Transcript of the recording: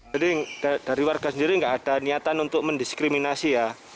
jadi dari warga sendiri nggak ada niatan untuk mendiskriminasi ya